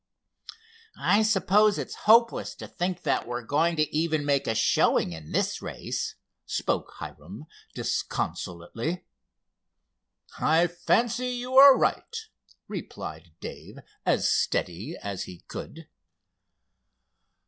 "I suppose it's hopeless to think that we're going to even make a showing in this race," spoke Hiram disconsolately. "I fancy you are right," replied Dave as steadily as he could.